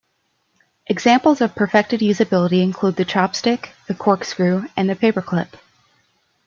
Examples of perfected usability include the chopstick, the corkscrew and the paper clip.